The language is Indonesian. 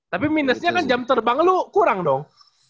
tapi minusnya kan jam terbang lo kurang dong